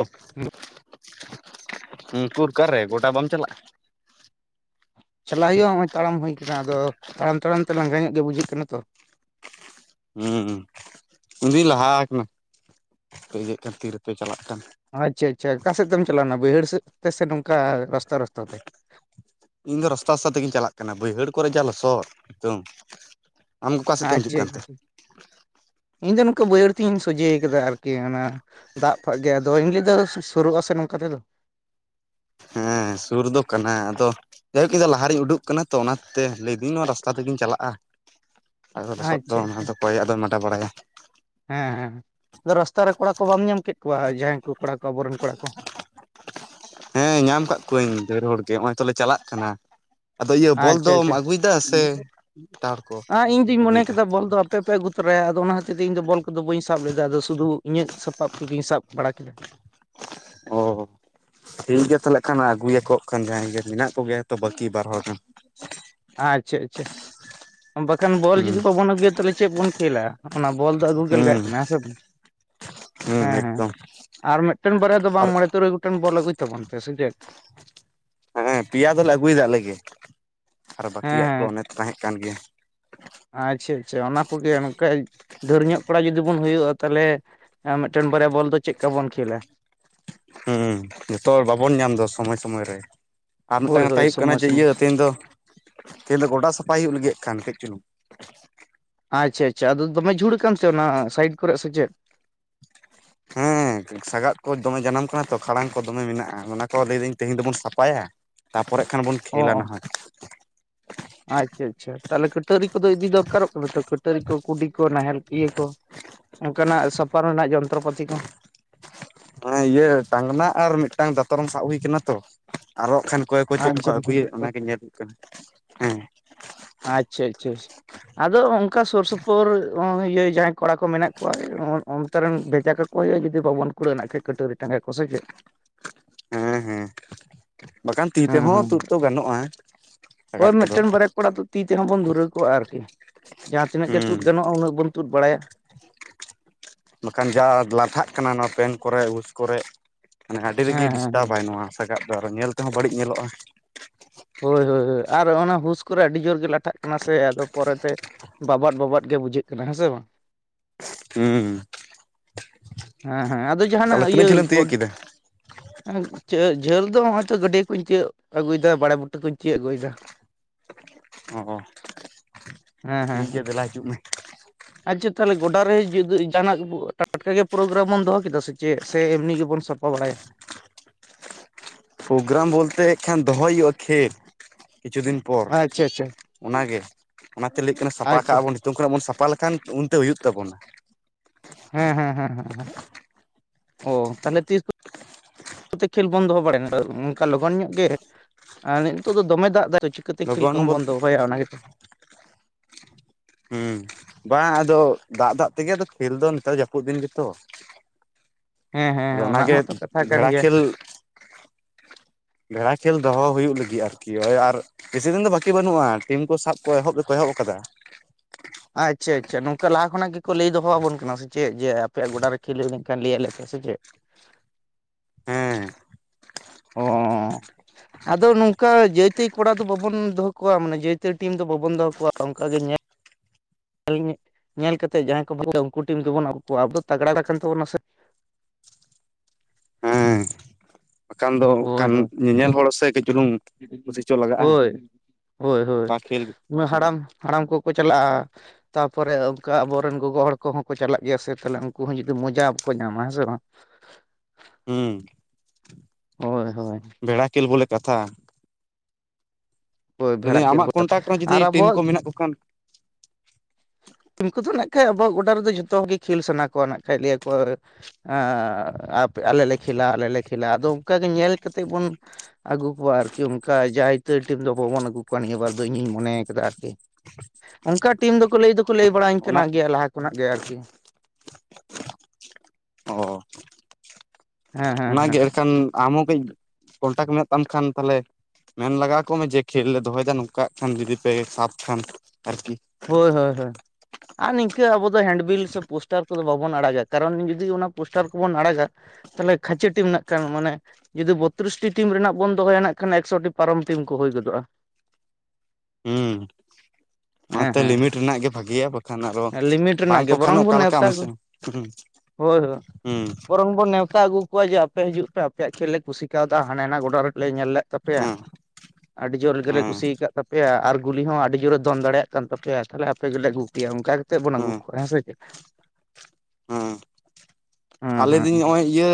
ᱩ ᱩᱠᱩᱨ ᱚᱠᱟ ᱨᱮ ᱜᱚᱴᱟ ᱵᱟᱢ ᱪᱟᱞᱟᱜᱼᱟ? ᱪᱟᱞᱟᱜ ᱦᱩᱭᱩᱜᱼᱟ ᱦᱚᱜᱼᱚᱭ ᱛᱟᱲᱟᱢ ᱦᱩᱭ ᱠᱟᱱᱟ ᱟᱫᱚ ᱛᱟᱲᱟᱢ ᱛᱟᱲᱟᱢ ᱛᱮ ᱞᱟᱸᱜᱟ ᱧᱚᱜ ᱜᱮ ᱵᱩᱡᱷᱟᱹᱜ ᱠᱟᱱᱟ ᱛᱚ᱾ ᱦᱩ ᱤᱧᱫᱚᱧ ᱞᱟᱦᱟ ᱟᱠᱟᱱᱟ ᱤᱭᱟᱜ ᱠᱷᱟᱛᱤᱨ ᱛᱮ ᱪᱟᱞᱟᱜ ᱠᱟᱱ᱾ ᱟᱪᱪᱷᱟ ᱟᱪᱷᱟ ᱚᱠᱟ ᱥᱮᱜ ᱛᱮ ᱵᱤᱱ ᱪᱟᱞᱟᱣᱮᱱᱟ ᱵᱟᱹᱭᱦᱟᱹᱲ ᱥᱮᱫᱛᱮ ᱥᱮᱫ ᱱᱚᱝᱠᱟ ᱨᱟᱥᱛᱟ ᱨᱟᱥᱛᱟ ᱛᱮ? ᱤᱧ ᱫᱚ ᱨᱟᱥᱛᱟ ᱨᱟᱥᱛᱟ ᱛᱮᱜᱤᱧ ᱪᱟᱞᱟᱜ ᱠᱟᱱᱟ ᱵᱟᱹᱭᱦᱟᱹᱲ ᱠᱚᱨᱮ ᱡᱟ ᱞᱚᱥᱚᱫ ᱱᱤᱛᱚᱝ᱾ ᱟᱢ ᱚᱠᱟ ᱥᱮᱫ ᱛᱮᱢ ᱦᱤᱡᱩᱜ ᱟᱪᱮᱜ ᱠᱟᱱᱛᱮ? ᱤᱧ ᱫᱚ ᱱᱚᱝᱠᱟ ᱵᱟᱹᱭᱦᱟᱹᱲ ᱛᱤᱧ ᱥᱚᱡᱷᱮ ᱠᱟᱫᱟ ᱟᱨᱠᱤ ᱚᱱᱟ ᱫᱟᱜ ᱠᱷᱚᱡ ᱜᱮ ᱟᱫᱚ ᱤᱧ ᱞᱟᱭ ᱫᱟ ᱥᱩᱨᱩᱜ ᱟᱥᱮ ᱱᱚᱝᱠᱟ ᱛᱮᱫᱚ᱾ ᱦᱮᱸ ᱥᱩᱨ ᱫᱚ ᱠᱟᱱᱟ ᱟᱫᱚ ᱡᱟᱭᱦᱳᱠ ᱤᱧ ᱫᱚ ᱞᱟᱦᱟᱨ ᱨᱤᱧ ᱩᱰᱩᱠ ᱠᱟᱱᱟ ᱛᱚ ᱚᱱᱟᱛᱮ ᱞᱟᱹᱭᱫᱟᱹᱧ ᱱᱚᱣᱟ ᱨᱟᱥᱛᱟ ᱛᱮᱜᱤᱧ ᱪᱟᱞᱟᱜᱼᱟ᱾ ᱟᱫᱚ ᱞᱚᱥᱚᱫ ᱫᱚ ᱟᱪᱪᱷᱟ ᱚᱱᱟ ᱟᱪᱪᱷᱟ ᱫᱚ ᱠᱚᱭ ᱟᱫᱚᱭ ᱢᱟᱰᱟ ᱵᱟᱲᱟᱭᱟ᱾ ᱦᱮᱸ ᱦᱮᱸ ᱟᱫᱚ ᱨᱟᱥᱛᱟ ᱨᱮ ᱠᱚᱲᱟ ᱠᱚ ᱵᱟᱢ ᱧᱟᱢ ᱠᱮᱜ ᱠᱚᱣᱟ ᱡᱟᱦᱟᱸᱭ ᱠᱚ ᱠᱚᱲᱟ ᱠᱚ ᱟᱵᱚᱨᱮᱱ ᱠᱚᱲᱟ ᱠᱚ᱾ ᱦᱮᱸ ᱧᱟᱢ ᱠᱟᱜ ᱠᱩᱣᱟᱹᱧ ᱰᱷᱟᱹᱨ ᱦᱚᱲ ᱜᱮ ᱦᱚᱜᱼᱚᱭ ᱛᱚᱞᱮ ᱪᱟᱞᱟᱜ ᱠᱟᱱᱟ᱾ ᱟᱫᱚ ᱤᱭᱟᱹ ᱵᱚᱞ ᱟᱪᱪᱷᱟ ᱫᱚᱢ ᱟᱪᱪᱷᱟ ᱟᱹᱜᱩᱭᱮᱫᱟ ᱥᱮ ᱮᱴᱟᱜ ᱦᱚᱲ ᱠᱚ ᱟ ᱤᱧ ᱫᱩᱧ ᱢᱚᱱᱮ ᱟᱹᱜᱩᱭᱮᱫᱟ? ᱠᱮᱫᱟ ᱵᱚᱞ ᱫᱚ ᱟᱯᱮ ᱯᱮ ᱟᱹᱜᱩ ᱛᱚᱨᱟᱭᱟ ᱟᱫᱚ ᱚᱱᱟ ᱟᱯᱮ ᱯᱮ ᱟᱜᱩ ᱛᱚᱨᱟᱭᱟ ᱟᱫᱚ ᱚᱱᱟ ᱦᱚᱛᱮᱡ ᱛᱮ ᱤᱧ ᱫᱚ ᱵᱚᱞ ᱠᱚᱫᱚ ᱵᱟᱹᱧ ᱥᱟᱵ ᱞᱮᱫᱟ ᱟᱫᱚ ᱥᱩᱫᱩ ᱤᱧᱟᱹᱜ ᱥᱟᱯᱟᱵ ᱠᱚᱜᱮᱧ ᱥᱟᱵ ᱵᱟᱲᱟ ᱠᱮᱫᱟ᱾ ᱚ ᱴᱷᱤᱠ ᱜᱮᱭᱟ ᱛᱟᱦᱚᱞᱮ ᱠᱷᱟᱱ ᱟᱹᱜᱩᱭᱟᱠᱚ ᱠᱷᱟᱱ ᱡᱟᱦᱟᱸᱭ ᱜᱮ ᱢᱮᱱᱟᱜ ᱠᱚᱜᱮᱭᱟ ᱛᱚ ᱵᱟᱹᱠᱤ ᱵᱟᱨ ᱦᱚᱲ ᱜᱟᱱ᱾ ᱟᱪᱪᱷᱟ ᱟᱪᱪᱷᱟ ᱵᱟᱠᱷᱟᱱ ᱵᱚᱞ ᱦᱩᱸ ᱡᱩᱫᱤ ᱵᱟᱵᱚᱱ ᱟᱹᱜᱩᱭᱟ ᱛᱟᱦᱚᱞᱮ ᱪᱮᱜ ᱵᱚᱱ ᱠᱷᱮᱞᱟ? ᱚᱱᱟ ᱵᱚᱞ ᱫᱚ ᱟᱹᱜᱩ ᱜᱮ ᱞᱟᱜᱟᱜ ᱦᱩᱸ ᱠᱟᱱᱟ ᱦᱮᱸ ᱥᱮ ᱦᱩᱸ ᱦᱮᱸ ᱦᱮᱸ ᱮᱠᱫᱚᱢ ᱟᱨ ᱢᱤᱜᱴᱮᱱ ᱵᱟᱨᱭᱟ ᱫᱚ ᱵᱟᱝ ᱟᱨ ᱢᱚᱬᱮ ᱛᱩᱨᱩᱭ ᱜᱚᱴᱮᱱ ᱵᱚᱞ ᱟᱹᱜᱩᱭ ᱛᱟᱵᱚᱱ ᱯᱮ ᱥᱮ ᱪᱮᱫ᱾ ᱦᱮᱸ ᱯᱮᱭᱟ ᱫᱚᱞᱮ ᱟᱹᱜᱩᱭᱮᱫᱟ ᱟᱞᱮ ᱜᱮ ᱟᱨ ᱦᱮᱸ ᱵᱟᱹᱠᱤᱭᱟᱜ ᱠᱚ ᱦᱮᱸ ᱚᱱᱮ ᱛᱟᱦᱮᱸ ᱠᱟᱱ ᱜᱮᱭᱟ᱾ ᱟᱪᱪᱷᱟ ᱟᱪᱪᱷᱟ ᱚᱱᱟ ᱠᱚᱜᱮ ᱚᱱᱠᱟ ᱰᱷᱟᱹᱨ ᱧᱚᱜ ᱠᱚᱲᱟ ᱡᱩᱫᱤ ᱵᱚᱱ ᱦᱩᱭᱩᱜᱼᱟ ᱛᱟᱦᱚᱞᱮ ᱢᱤᱫᱴᱮᱱ ᱵᱟᱨᱭᱟ ᱵᱚᱞ ᱫᱚ ᱪᱮᱜ ᱠᱟ ᱵᱚᱱ ᱠᱷᱮᱞᱟ᱾ ᱦᱩ ᱡᱚᱛᱚ ᱦᱚᱲ ᱵᱟᱵᱚᱱ ᱧᱟᱢ ᱫᱚ ᱥᱚᱢᱚᱭ ᱥᱚᱢᱚᱭ ᱨᱮ᱾ ᱟᱨ ᱦᱳᱭ ᱢᱤᱜᱴᱟᱝ ᱠᱟᱛᱷᱟ ᱦᱳᱭ ᱦᱩᱭᱩᱜ ᱠᱟᱱᱟ ᱥᱚᱢᱚᱭ ᱡᱮ ᱤᱭᱟᱹ ᱥᱚᱢᱚᱭ ᱛᱮᱦᱮᱧ ᱫᱚ ᱛᱮᱦᱮᱧ ᱫᱚ ᱜᱚᱰᱟ ᱥᱟᱯᱟᱭ ᱦᱩᱭᱩᱜ ᱞᱟᱹᱜᱤᱜ ᱠᱷᱟᱱ [unintelligible] ᱟᱪᱪᱷᱟ ᱟᱪᱪᱷᱟ ᱟᱫᱚ ᱫᱚᱢᱮ ᱡᱷᱩᱲ ᱠᱟᱱ ᱥᱮ ᱚᱱᱟ ᱥᱟᱭᱤᱰ ᱠᱚᱨᱮ ᱥᱮ ᱪᱮᱫ? ᱦᱮᱸ ᱥᱟᱜᱟᱫ ᱠᱚ ᱫᱚᱢᱮ ᱡᱟᱱᱟᱢ ᱠᱟᱱᱟ ᱛᱚ ᱠᱷᱟᱲᱟᱝ ᱠᱚ ᱫᱚᱢᱮ ᱢᱮᱱᱟᱜᱼᱟ ᱚᱱᱟ ᱠᱚ ᱞᱟᱹᱭ ᱫᱟᱹᱧ ᱛᱮᱦᱤᱧ ᱫᱚᱵᱚᱱ ᱥᱟᱯᱟᱭᱟᱺ ᱟᱯᱷᱚᱨ ᱮᱫ ᱠᱷᱟᱱ ᱵᱚᱱ ᱚ [inaudible] ᱟᱪᱪᱷᱟ ᱟᱪᱪᱷᱟ, ᱛᱟᱦᱚᱞᱮ ᱠᱟᱹᱴᱟᱹᱨᱤ ᱠᱚᱫᱚ ᱤᱫᱤ ᱫᱚᱨᱠᱟᱨ-ᱚᱜ ᱠᱟᱱᱟ ᱛᱚ, ᱠᱟᱹᱴᱟᱹᱨᱤ ᱠᱚ, ᱠᱩᱰᱤ ᱠᱚ, ᱱᱟᱦᱮᱞ ᱤᱭᱟᱹ ᱠᱚ ᱚᱱᱠᱟ ᱱᱟᱜ ᱥᱟᱯᱟ ᱨᱮᱱᱟᱜ ᱡᱚᱱᱛᱨᱚ ᱯᱟᱹᱛᱤ ᱠᱚ᱾ ᱢᱟᱱᱮ ᱤᱭᱟᱹ ᱴᱟᱝᱱᱟ ᱟᱨ ᱢᱤᱫᱴᱟᱝ ᱫᱟᱛᱨᱚᱢ ᱥᱟᱵ ᱦᱩᱭ ᱠᱟᱱᱟ ᱛᱚ᱾ ᱟᱨᱚ ᱦᱟᱸᱜ ᱠᱷᱟᱱ ᱚᱠᱚᱭ ᱠᱚ ᱪᱮᱫ ᱟᱪᱪᱷᱟ ᱠᱚᱠᱚ ᱟᱹᱜᱩᱭ ᱮᱜ ᱚᱱᱟ ᱜᱮ ᱧᱮᱞ ᱦᱩᱭᱩᱜ ᱠᱟᱱᱟ? ᱦᱮᱸ, ᱟᱪᱪᱷᱟ ᱟᱪᱪᱷᱟ ᱪᱷᱟ, ᱟᱫᱚ ᱚᱱᱠᱟ ᱥᱳᱨ ᱥᱳᱯᱳᱨ ᱡᱟᱦᱟᱸᱭ ᱠᱚᱲᱟ ᱠᱚ ᱢᱮᱱᱟᱜ ᱠᱚᱣᱟ ᱚᱱᱛᱮ ᱨᱮᱱ ᱵᱷᱮᱡᱟ ᱠᱚ [unintelligible] ᱡᱩᱫᱤ ᱵᱟᱵᱚᱱ ᱠᱩᱲᱟᱹᱜ ᱱᱟᱜ ᱠᱷᱟᱡ ᱠᱟᱹᱴᱟᱹᱨᱤ ᱴᱟᱸᱜᱟ ᱠᱚ ᱥᱮ ᱪᱮᱫ? ᱦᱮᱸ ᱦᱮᱸ, ᱵᱟᱠᱷᱟᱱ ᱛᱤ ᱦᱩᱸ ᱛᱮᱦᱚᱸ ᱦᱩᱸ ᱛᱩᱫ ᱫᱚ ᱜᱟᱱᱚᱜᱼᱟ ᱦᱳᱭ ᱥᱟᱜᱟᱫ ᱠᱚᱫᱚ ᱢᱮᱫᱴᱮᱱ, ᱵᱟᱨᱭᱟ ᱠᱚᱲᱟ ᱛᱚ᱾ ᱛᱤ ᱛᱮᱦᱚᱸ ᱵᱚᱱ ᱫᱷᱩᱨᱟᱹᱜ ᱠᱚᱜᱼᱟ, ᱟᱨᱠᱤ ᱡᱟᱦᱟᱸ ᱛᱤᱱᱟᱹᱜ ᱜᱮ ᱦᱩᱸ ᱛᱩᱫ ᱜᱟᱱᱚᱜ-ᱟ ᱩᱱᱟᱹᱜ ᱵᱚᱱ ᱛᱩᱫ ᱵᱟᱲᱟᱭᱟ᱾ ᱵᱟᱠᱷᱟᱱ ᱡᱟ ᱞᱟᱴᱷᱟᱜ ᱠᱟᱱᱟ ᱱᱚᱣᱟ ᱯᱮᱱ ᱠᱚᱨᱮ ᱦᱩᱥ ᱠᱚᱨᱮ᱾ ᱢᱟᱱᱮ ᱟᱹᱰᱤ ᱦᱮᱸ ᱨᱤᱜᱤ ᱦᱮᱸ ᱦᱮᱸ ᱰᱤᱥᱴᱟᱵᱟᱭ ᱱᱚᱣᱟ ᱥᱟᱜᱟᱫ ᱫᱚ ᱟᱨᱚ ᱧᱮᱞ ᱨᱮᱦᱚ ᱵᱟᱹᱲᱤᱡ ᱧᱮᱞᱚᱜ-ᱟ᱾ ᱦᱳᱭ ᱦᱳᱭ ᱦᱳᱭ, ᱟᱨ ᱚᱱᱟ ᱦᱩᱥ ᱠᱚᱨᱮ ᱟᱹᱰᱤ ᱡᱳᱨ ᱜᱮ ᱞᱟᱴᱷᱟᱜ ᱠᱟᱱᱟ ᱥᱮ᱾ ᱟᱫᱚ ᱯᱚᱨᱮ ᱛᱮ ᱵᱟᱵᱟᱫ ᱵᱟᱵᱟᱫ ᱜᱮ ᱵᱩᱡᱷᱟᱹᱜ ᱠᱟᱱᱟ ᱦᱮᱸ ᱥᱮ ᱵᱟᱝ᱾ ᱦᱩᱸ, ᱦᱮᱸ ᱦᱮᱸ ᱟᱫᱚ ᱡᱟᱦᱟᱸ ᱛᱟᱦᱚᱞᱮ ᱱᱟᱜ ᱤᱭᱟᱹ ᱛᱤᱱᱟᱹᱜ ᱡᱷᱟᱹᱞᱮᱢ ᱛᱤᱭᱳᱜ ᱜᱚᱰ- ᱠᱮᱫᱟ ᱡᱷᱟᱹᱞ ᱡᱷᱟᱹᱞ ᱫᱚ ᱦᱚᱜ-ᱚᱭ ᱛᱚ ᱜᱟᱹᱰᱟᱹᱭᱟᱹ ᱠᱩᱧ ᱛᱤᱭᱟᱹᱜ ᱟᱹᱜᱩᱭ ᱫᱟ ᱵᱟᱲᱮ ᱵᱩ- ᱴᱟᱹ ᱠᱚᱧ ᱛᱤᱭᱟᱹᱜ ᱟᱹᱜᱩᱭ ᱫᱟ᱾ ᱚ ᱦᱮᱸ ᱦᱮᱸ ᱴᱷᱤᱠ ᱦᱮᱸ ᱜᱮᱭᱟ ᱫᱮᱞᱟ ᱦᱤᱡᱩᱜ ᱢᱮ᱾ ᱟᱪᱪᱷᱟ ᱛᱟᱦᱚᱞᱮ ᱜᱚᱰᱟ ᱨᱮ ᱡᱩᱫᱤ ᱡᱟᱦᱟᱸ ᱱᱟᱜ ᱴᱟᱴᱠᱟ ᱜᱮ ᱯᱨᱳᱜᱨᱟᱢ ᱵᱚᱱ ᱫᱚᱦᱚ ᱠᱮᱫᱟ ᱥᱮ ᱪᱮᱫ ᱥᱮ ᱮᱢᱱᱤ ᱜᱮᱵᱚᱱ ᱥᱟ- ᱯᱟ ᱵᱟᱲᱟᱭᱟ? ᱯᱳᱜᱨᱟᱢ ᱵᱚᱞᱛᱮ ᱦᱟᱸᱜ ᱠᱷᱟᱱ ᱫᱚᱦᱚᱭ ᱦᱩᱭᱩᱜ-ᱟ ᱠᱷᱮᱞ᱾ ᱠᱤᱪᱷᱩ ᱫᱤᱱ ᱯᱚᱨ ᱟᱪᱪᱷᱟ ᱟᱪᱪᱷᱟ ᱚᱱᱟ ᱜᱮ ᱚᱱᱟᱛᱮ ᱞᱟᱹᱜ ᱠᱟᱱᱟ ᱥᱟᱯᱟ ᱟᱪᱪᱷᱟ ᱠᱟᱜ-ᱟ ᱵᱚᱱ᱾ ᱱᱤᱛᱚᱜ ᱠᱷᱚᱱᱟᱝ ᱵᱚᱱ ᱥᱟᱯᱟ ᱞᱮᱠᱷᱟᱱ ᱩᱱ ᱛᱮ ᱦᱩᱭᱩᱜ ᱛᱟᱵᱚᱱᱟ᱾ ᱦᱮᱸ ᱦᱮᱸ ᱦᱮᱸ ᱦᱮᱸ, ᱚ ᱛᱟᱦᱞᱮ ᱛᱤᱥ ᱛᱮ ᱠᱷᱮᱞ ᱵᱚᱱ ᱫᱚᱦᱚ ᱵᱟᱲᱟᱭᱟ᱾ ᱚᱱᱠᱟ ᱞᱚᱜᱚᱱ ᱧᱚᱜ ᱜᱮ ᱱᱤᱛᱚᱜ ᱫᱚᱢᱮ ᱫᱟᱜ ᱫᱟᱭ ᱪᱤᱠᱟᱹ ᱛᱮ ᱠᱷᱮᱞ ᱞᱚᱜᱚᱱ ᱠᱚᱦᱚᱸ ᱵᱚᱞ ᱵᱚᱱ ᱫᱚᱦᱚᱭᱟ ᱚᱱᱟ ᱜᱮᱛᱚ᱾ ᱦᱩᱸ ᱵᱟᱝ ᱟᱫᱚ ᱫᱟᱜ ᱫᱟᱜ ᱛᱮᱜᱮ ᱠᱷᱮᱞ ᱫᱚ ᱱᱮᱛᱟᱨ ᱡᱟᱹᱯᱩᱫ ᱫᱤᱱ ᱜᱮᱛᱚ᱾ ᱦᱮᱸ ᱦᱮᱸ ᱟᱫᱚ ᱚᱱᱟ ᱜᱮ ᱢᱟᱛᱚ ᱠᱟᱛᱷᱟ ᱵᱷᱮᱲᱟ ᱠᱟᱱ ᱜᱮᱭᱟ ᱠᱷᱮᱞ᱾ ᱵᱷᱮᱲᱟ ᱠᱷᱮᱞ ᱫᱚᱦᱚ ᱦᱩᱭᱩᱜ ᱞᱟᱹᱜᱤᱫ ᱟᱨᱠᱤ ᱳᱭ ᱟᱨ ᱵᱮᱥᱤ ᱫᱤᱱ ᱫᱚ ᱵᱟᱠᱤ ᱵᱟᱹᱱᱩᱜ-ᱟ, ᱴᱤᱢ ᱠᱚ ᱥᱟᱵ ᱠᱚ ᱮᱦᱚᱵ ᱠᱚ ᱮᱦᱚᱵ ᱫᱚᱠᱚ ᱠᱟᱫᱟ᱾ ᱟᱪᱪᱷᱟ ᱟᱪᱪᱷᱟ ᱱᱚᱝᱠᱟ ᱞᱟᱦᱟ ᱠᱷᱚᱱᱟᱜ ᱜᱮᱠᱚ ᱞᱟᱹᱭ ᱫᱚᱦᱚ ᱟᱵᱚᱱ ᱠᱟᱱᱟ ᱥᱮ ᱪᱮᱫ᱾ ᱡᱮ ᱟᱯᱮᱭᱟᱜ ᱜᱚᱰᱟ ᱨᱮ ᱠᱷᱮᱞ ᱦᱩᱭ ᱞᱮᱱ ᱠᱷᱟᱱ ᱞᱟᱹᱭ ᱟᱞᱮ ᱯᱮ ᱥᱮ ᱪᱮᱫ? ᱦᱮᱸ ᱚ [inaudible] ᱟᱫᱚ ᱱᱚᱝᱠᱟ ᱡᱟᱹᱭ ᱛᱟᱹᱭ ᱠᱚᱲᱟ ᱫᱚ ᱵᱟᱵᱚᱱ ᱫᱚᱦᱚ ᱠᱚᱣᱟ, ᱢᱟᱱᱮ ᱡᱟᱹᱭ ᱛᱟᱹᱭ ᱴᱤᱢ ᱫᱚ ᱵᱟᱵᱚᱱ ᱫᱚᱦᱚ ᱠᱚᱣᱟ᱾ ᱚᱱᱠᱟ ᱜᱮ ᱧᱮᱞ [inaudible] ᱧᱮᱞ ᱠᱟᱛᱮᱫ ᱡᱟᱦᱟᱸᱭ ᱠᱚᱵᱚᱱ ᱩᱱᱠᱩ ᱴᱤᱢ ᱫᱚᱵᱚᱱ ᱟᱜᱩ ᱠᱚᱣᱟ᱾ ᱟᱵᱚ ᱫᱚ ᱛᱟᱜᱽᱲᱟ ᱠᱟᱱ ᱛᱟᱵᱚᱱᱟ ᱥᱮ᱾ ᱦᱮᱸ ᱵᱟᱠᱷᱟᱱ ᱫᱚ ᱦᱟᱸᱜ ᱦᱳᱭ ᱠᱷᱟᱱ ᱦᱳᱭ ᱧᱮᱧᱮᱞ ᱦᱚᱲ ᱦᱚᱥᱮ ᱠᱟᱹᱡ ᱪᱩᱞᱩᱝ ᱠᱩᱥᱤ ᱦᱚᱪᱚ ᱞᱟᱜᱟᱜ-ᱟ᱾ ᱦᱳᱭ ᱦᱳᱭ ᱦᱳᱭ᱾ ᱦᱟᱲᱟᱢ, ᱦᱟᱲᱟᱢ ᱠᱚᱠᱚ ᱪᱟᱞᱟᱜ-ᱟ᱾ ᱛᱟᱨᱯᱚᱨᱮ ᱚᱱᱠᱟ ᱟᱵᱚᱨᱮᱱ ᱜᱚᱜᱚ ᱦᱚᱲ ᱠᱚᱦᱚᱸ ᱠᱚ ᱪᱟᱞᱟᱜ ᱜᱮᱭᱟ ᱥᱮ᱾ ᱛᱟᱦᱚᱞᱮ ᱩᱱᱠᱩ ᱦᱚᱸ ᱡᱩᱫᱤ ᱢᱚᱡᱟ ᱵᱟᱠᱚ ᱧᱟᱢᱟ ᱦᱮᱸ ᱥᱮ ᱵᱟᱝ᱾ ᱦᱩᱸ, ᱦᱳᱭ ᱦᱳᱭ ᱵᱷᱮᱲᱟ ᱠᱷᱮᱞ ᱵᱚᱞᱮ ᱠᱟᱛᱷᱟ᱾ ᱦᱳᱭ ᱞᱟᱹᱭ ᱵᱷᱮᱲᱟ ᱫᱟᱹᱧ ᱠᱷᱮᱞ ᱟᱢᱟᱜ ᱠᱟᱛᱷᱟ ᱠᱚᱱᱴᱟᱠᱴ ᱨᱮ ᱟᱨ ᱡᱩᱫᱤ ᱴᱤᱢ ᱟᱵᱚᱣᱟᱜ ᱠᱚ ᱢᱮᱱᱟᱜ ᱠᱚ ᱠᱷᱟᱱ? ᱩᱱᱠᱩ ᱫᱚ ᱱᱟᱦᱟᱜ ᱠᱷᱟᱡ ᱟᱵᱚᱣᱟᱜ ᱜᱚᱰᱟ ᱨᱮᱫᱚ ᱡᱚᱛᱚ ᱦᱚᱲ ᱜᱮ ᱠᱷᱮᱹᱞ ᱥᱟᱱᱟ ᱠᱚᱣᱟ ᱱᱟᱜ ᱠᱷᱟᱡ ᱞᱟᱹᱭ ᱟᱠᱚ ᱟᱞᱮ ᱞᱮ ᱠᱷᱮᱹᱞᱟ ᱟᱞᱮ ᱞᱮ ᱠᱷᱮᱹᱞᱟ ᱟᱫᱚ ᱚᱱᱠᱟᱜᱮ ᱧᱮᱞ ᱠᱟᱛᱮᱜ ᱵᱚᱱ ᱟᱹᱜᱩ ᱠᱚᱣᱟ ᱟᱹᱨᱠᱤ ᱚᱱᱠᱟ ᱡᱟᱭ ᱛᱟᱹᱭ ᱴᱤᱢ ᱫᱚ ᱵᱟᱵᱚᱱ ᱟᱹᱜᱩ ᱠᱚᱣᱟ ᱱᱤᱭᱟᱹᱵᱟᱨ ᱫᱚ ᱤᱧᱤᱧ ᱢᱚᱱᱮᱭ ᱠᱟᱫᱟ ᱟᱹᱨᱠᱤ ᱾ ᱚᱱᱠᱟ ᱴᱤᱢ ᱫᱚᱠᱚ ᱞᱟᱹᱭ ᱫᱚᱠᱚ ᱞᱟᱹᱭ ᱵᱟᱲᱟᱹᱧ ᱚᱱᱟ ᱠᱟᱱᱟ ᱜᱮᱭᱟ ᱞᱟᱦᱟ ᱠᱷᱚᱱᱟᱜ ᱜᱮ ᱟᱹᱨᱠᱤ ᱾ ᱚ ᱦᱮᱸ ᱦᱮᱸ ᱦᱮᱸ ᱚᱱᱟᱜᱮ ᱮᱱᱠᱷᱟᱱ ᱟᱢ ᱦᱚᱸ ᱠᱟᱹᱡ ᱠᱚᱱᱴᱟᱠᱴ ᱢᱮᱱᱟᱜ ᱛᱟᱢ ᱠᱷᱟᱱ ᱛᱟᱦᱞᱮ ᱢᱮᱱ ᱞᱮᱜᱟᱣ ᱟᱠᱚᱢᱮ ᱡᱮ ᱠᱷᱮᱹᱞ ᱞᱮ ᱫᱚᱦᱚᱭᱮᱫᱟ ᱱᱚᱝᱠᱟᱜ ᱠᱷᱟᱱ ᱡᱩᱫᱤ ᱯᱮ ᱥᱟᱵ ᱠᱷᱟᱱ ᱟᱹᱨᱠᱤ ᱦᱳᱭ ᱦᱳᱭ ᱦᱳᱭ ᱟᱨ ᱱᱤᱝᱠᱟᱹ ᱟᱵᱚ ᱫᱚ ᱦᱮᱱᱰ ᱵᱤᱞ ᱥᱮ ᱯᱳᱥᱴᱟᱨ ᱠᱚᱫᱚ ᱵᱟᱵᱚᱱ ᱟᱲᱟᱜᱟ ᱠᱟᱨᱚᱱ ᱡᱩᱫᱤ ᱚᱱᱟ ᱯᱳᱥᱴᱟᱨ ᱠᱚᱵᱚᱱ ᱟᱲᱟᱜᱟ ᱛᱟᱦᱚᱞᱮ ᱠᱷᱟᱹᱪᱮ ᱴᱤᱢ ᱱᱟᱜ ᱠᱷᱟᱱ ᱢᱟᱱᱮ ᱡᱩᱫᱤ ᱵᱚᱛᱛᱨᱤᱥ ᱴᱤ ᱴᱤᱢ ᱨᱮᱱᱟᱜ ᱵᱚᱱ ᱫᱚᱦᱚᱭᱟ ᱮᱱᱟᱜ ᱠᱷᱟᱱ ᱮᱠᱥᱚᱴᱤ ᱯᱟᱨᱚᱢ ᱴᱤᱢ ᱠᱚ ᱦᱩᱭ ᱜᱚᱫᱚᱜᱼᱟ᱾ ᱦᱩᱸ ᱦᱮᱸ ᱚᱱᱟᱛᱮ ᱦᱮᱸ ᱞᱤᱢᱤᱴ ᱨᱮᱱᱟᱜ ᱜᱮ ᱵᱷᱟᱜᱤᱭᱟ ᱵᱟᱠᱷᱟᱱ ᱟᱨᱚ ᱦᱮᱸ ᱞᱤᱢᱤᱴ ᱨᱮᱱᱟᱜ ᱵᱟᱝ ᱜᱮ ᱠᱚ ᱠᱷᱟᱱ ᱵᱚᱨᱚᱝ ᱵᱚᱱ ᱚᱠᱟᱞᱮᱠᱟ ᱱᱮᱣᱛᱟ ᱟᱨᱚ ᱟᱹᱜᱩ ᱢᱟᱥᱮ ᱦᱳᱭ ᱦᱳᱭ ᱦᱩᱸ ᱵᱚᱨᱚᱝ ᱵᱚᱱ ᱱᱮᱣᱛᱟ ᱟᱹᱜᱩ ᱠᱚᱣᱟ ᱡᱮ ᱟᱯᱮ ᱦᱤᱡᱩᱜ ᱯᱮ ᱟᱯᱮ ᱠᱷᱮᱹᱞ ᱞᱮ ᱠᱩᱥᱤ ᱠᱟᱣᱫᱟ ᱦᱟᱱᱮ ᱦᱟᱱᱟ ᱜᱚᱰᱟ ᱨᱮᱞᱮ ᱧᱮᱞ ᱞᱮᱫ ᱛᱟᱯᱮᱭᱟ ᱦᱮᱸ ᱾ ᱟᱹᱰᱤ ᱡᱳᱨ ᱜᱮᱞᱮ ᱦᱮᱸ ᱠᱩᱥᱤᱠᱟᱫ ᱛᱟᱯᱮᱭᱟ ᱟᱨ ᱜᱩᱞᱤ ᱦᱚᱸ ᱟᱹᱰᱤ ᱡᱳᱨᱮ ᱫᱚᱱ ᱫᱟᱲᱮᱭᱟᱜ ᱠᱟᱱ ᱛᱟᱯᱮᱭᱟ ᱛᱟᱦᱞᱮ ᱟᱯᱮ ᱜᱮᱞᱮ ᱟᱹᱜᱩ ᱯᱮᱭᱟ ᱚᱱᱠᱟ ᱠᱟᱛᱮᱫ ᱵᱚᱱ ᱟᱹᱜᱩ ᱠᱚᱣᱟ ᱦᱮᱸ ᱥᱮ ᱪᱮᱫ᱾ ᱦᱮᱸ ᱟᱨ ᱦᱮᱸ ᱞᱟᱹᱭᱫᱤᱧ ᱦᱮᱸ ᱱᱚᱜᱼᱚᱭ ᱤᱭᱟᱹ